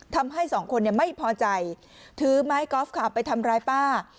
ทำให้สองคนไม่พอใจถือไม้กอล์ฟค่ะไปทำร้ายป้า